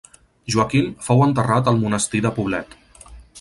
Joaquim fou enterrat al monestir de Poblet.